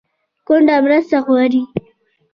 کونډه مرسته غواړي